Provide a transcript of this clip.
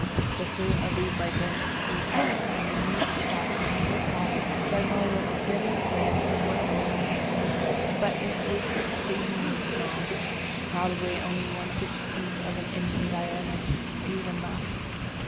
The fruit of these lichens is like a minute saucer or platter generally with a thin rim or border, but it is exceedingly small, probably only one sixteenth of an inch in diameter, or even less.